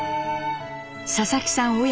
佐々木さん